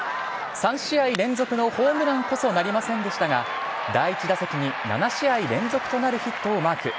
３試合連続のホームランこそなりませんでしたが、第１打席に７試合連続となるヒットをマーク。